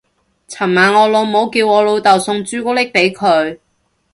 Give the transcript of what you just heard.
尋晚我老母叫我老竇送朱古力俾佢